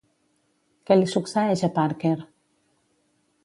Què li succeeix a Parker?